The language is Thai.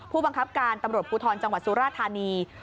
ผู้บังคับการตำรวจภูทรจังหวัดสุราธานี